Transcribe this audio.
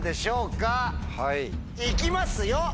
行きますよ！